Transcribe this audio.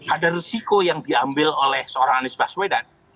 ada risiko yang diambil oleh seorang anies baswedan